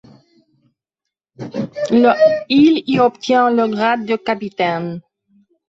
Le Il y obtient le grade de capitaine.